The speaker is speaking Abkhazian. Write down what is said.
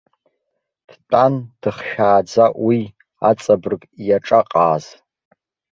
Дтәан дыхшәааӡа уи, аҵабырг иаҿаҟааз.